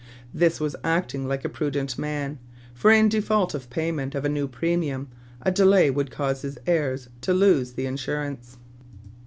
This was acting like a prudent man ; for, in default of payment of a new preniium, a delay would cause his heirs to lose the insurance.